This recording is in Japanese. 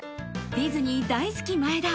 ディズニー大好き、前田。